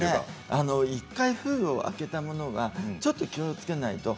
１回封を開けたものはちょっと気をつけないと。